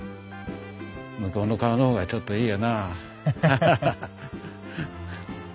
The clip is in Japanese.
向こうの顔の方がちょっといいよなあ。